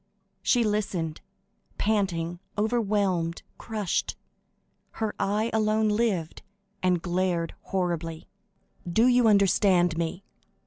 She listened, panting, overwhelmed, crushed; her eye alone lived, and glared horribly. "Do you understand me?"